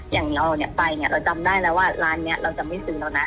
อย่างเราเนี่ยไปเนี่ยเราจำได้แล้วว่าร้านนี้เราจะไม่ซื้อแล้วนะ